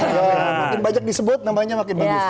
ya makin banyak disebut namanya makin bagus